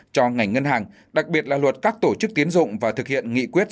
cho ngành ngân hàng đặc biệt là luật các tổ chức tiến dụng và thực hiện nghị quyết